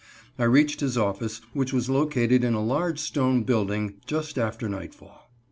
I reached his office, which was located in a large stone building, just after nightfall.